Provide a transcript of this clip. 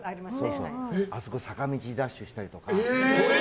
あそこ坂道ダッシュしたりとか。